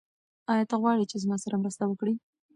آیا ته غواړې چې زما سره مرسته وکړې؟